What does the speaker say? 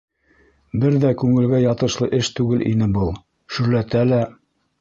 Бер ҙә күңелгә ятышлы эш түгел ине был, шөрләтә лә.